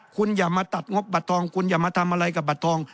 คุณอย่ามาตัดงบบัตรทองคุณอย่ามาทำอะไรกับบัตรทอง